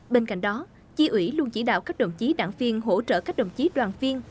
bên cạnh đó chi ủy luôn chỉ đạo các đồng chí đảng viên hỗ trợ các đồng chí đoàn viên